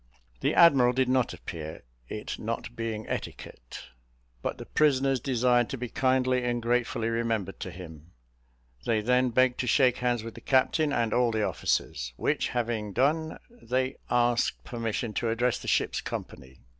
The admiral did not appear, it not being etiquette; but the prisoners desired to be kindly and gratefully remembered to him; they then begged to shake hands with the captain and all the officers, which having done, they asked permission to address the ship's company.